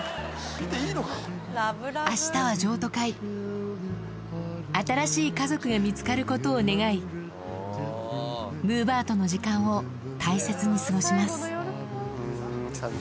あしたは譲渡会新しい家族が見つかることを願いむぅばあとの時間を大切に過ごします